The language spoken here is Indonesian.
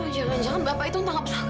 jangan jangan bapak itu tangkap tangan